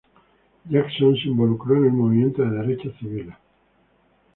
Jackson se involucró en el movimiento de derechos civiles.